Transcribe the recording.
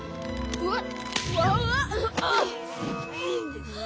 うわっ。